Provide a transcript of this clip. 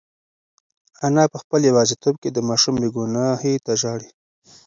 انا په خپل یوازیتوب کې د ماشوم بې گناهۍ ته ژاړي.